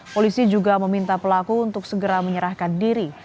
polisi juga meminta pelaku untuk segera menyerahkan diri